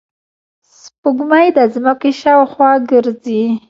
سپوږمۍ د ځمکې شاوخوا ګرځي